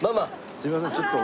すいませんちょっと。